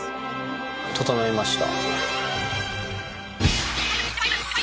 整いました。